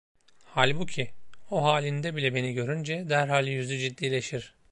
Halbuki o halinde bile beni görünce derhal yüzü ciddileşir.